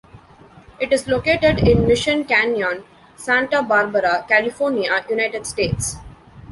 It is located in Mission Canyon, Santa Barbara, California, United States.